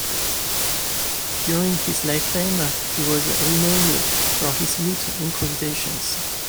During his lifetime he was renowned for his lute improvisations.